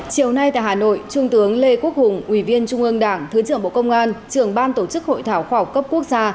chiều nay tại hà nội trung tướng lê quốc hùng ủy viên trung ương đảng thứ trưởng bộ công an trưởng ban tổ chức hội thảo khoa học cấp quốc gia